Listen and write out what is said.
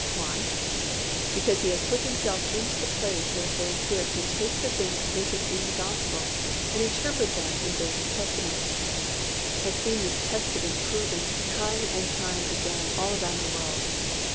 Why? Because he has put himself into the place where the Holy Spirit can take the things written in the Gospel and interpret them and bear His testimony. I have seen this tested and proven time and time again all around the world.